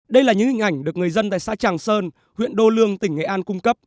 đây là những hình ảnh được người dân tại xã tràng sơn huyện đô lương tỉnh nghệ an cung cấp